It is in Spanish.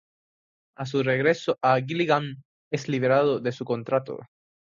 A su regreso a Gillingham, es liberado de su contrato.